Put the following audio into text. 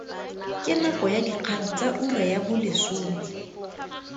Ke nako ya dikgang tsa ura ya bolesome.